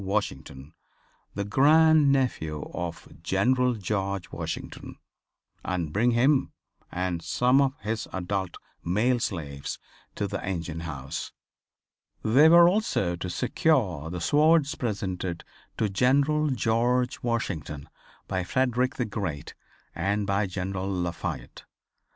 Washington, the grand nephew of General George Washington, and bring him and some of his adult male slaves, to the engine house. They were also to secure the swords presented to General George Washington by Frederick the Great and by General Lafayette.